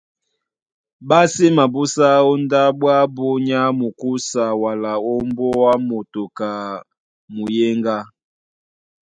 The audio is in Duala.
Ɓá sí mabúsá ó ndáɓo ábū nyá mukúsa wala ó mbóá moto ka muyéŋgá.